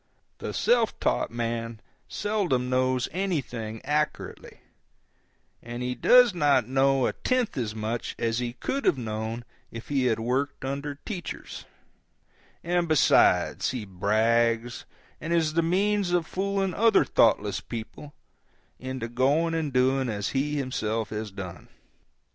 The self taught man seldom knows anything accurately, and he does not know a tenth as much as he could have known if he had worked under teachers; and, besides, he brags, and is the means of fooling other thoughtless people into going and doing as he himself has done.